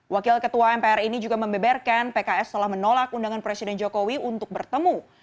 wakil ketua mpr ini juga membeberkan pks telah menolak undangan presiden jokowi untuk bertemu